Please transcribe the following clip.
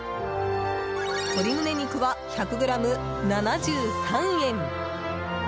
鶏ムネ肉は１００ｇ７３円。